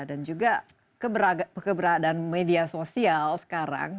dan juga keberadaan media sosial sekarang